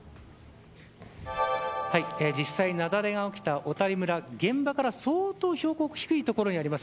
実際に雪崩が起きた小谷村現場から相当標高低い所にあります。